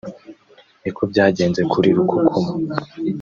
niko byagenze kuri Rukokoma